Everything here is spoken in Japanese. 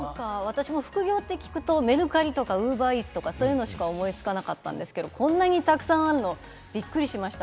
副業と聞くと、メルカリとかウーバーイーツみたいなことしか思いつかなかったんですけど、こんなに沢山あるのびっくりしました。